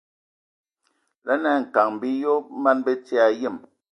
Laŋa e kan minlɔb man bəti a yəm.